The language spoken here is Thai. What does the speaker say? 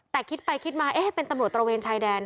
แต่คิดไปคิดมาเอ๊ะเป็นตำรวจตระเวนชายแดน